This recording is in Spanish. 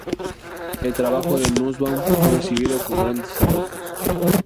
El trabajo de Nussbaum fue recibido con grandes elogios.